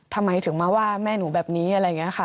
ทำไมถึงมาว่าแม่หนูแบบนี้อะไรอย่างนี้ค่ะ